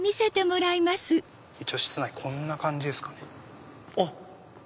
一応室内こんな感じですね。